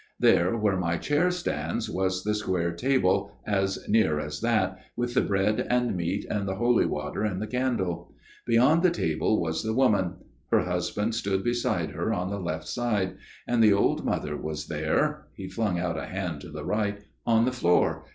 There where my chair stands was the square table, as near as that, with the bread and meat and the holy water and the candle. Beyond the table was the woman ; her husband stood beside her on the left hand, and the old mother was there " he flung out a hand to the right " on the floor